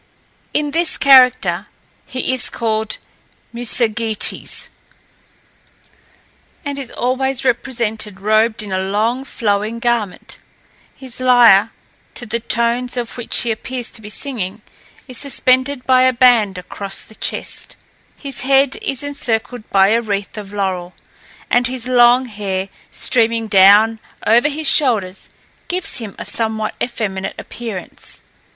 In this character he is called Musagetes, and is always represented robed in a long flowing garment; his lyre, to the tones of which he appears to be singing, is suspended by a band across the chest; his head is encircled by a wreath of laurel, and his long hair, streaming down over his shoulders, gives him a somewhat effeminate appearance.